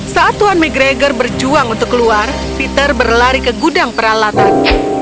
saat tuan mcgregor berjuang untuk keluar peter berlari ke gudang peralatan